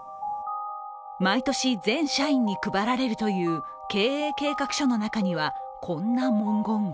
毎年、全社員に配られるという経営計画書の中にはこんな文言が。